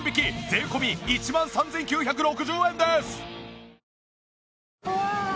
税込１万３９６０円です。